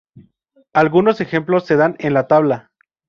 Algunos ejemplos se dan en la tabla.